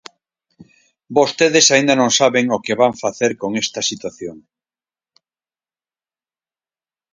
¿Vostedes aínda non saben o que van facer con esta situación?